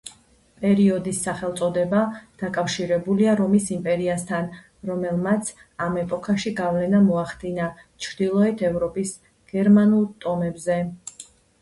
პერიოდის სახელწოდება დაკავშირებულია რომის იმპერიასთან, რომელმაც ამ ეპოქაში გავლენა მოახდინა ჩრდილოეთ ევროპის გერმანულ ტომებზე.